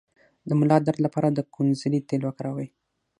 د ملا درد لپاره د کونځلې تېل وکاروئ